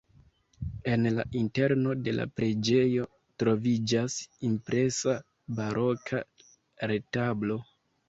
En la interno de la preĝejo troviĝas impresa baroka retablo.